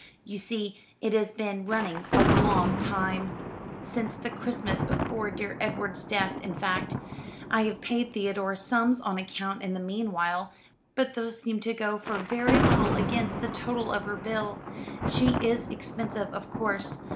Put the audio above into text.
"You see it has been running a long time since the Christmas before dear Edward's death, in fact. I have paid Theodore sums on account in the meanwhile, but those seem to go for very little against the total of her bill. She is expensive, of course.